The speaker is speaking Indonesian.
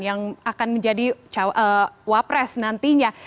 yang akan menjadi wapres nantinya